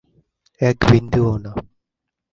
এক বিন্দুও না।